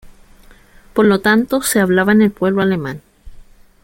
Por lo tanto, se hablaba en el pueblo alemán.